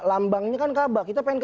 lambangnya kan kabar kita pengen ke p tiga